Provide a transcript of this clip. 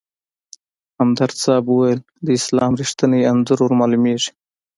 همدرد صیب ویل: د اسلام رښتیني انځور ورمالومېږي.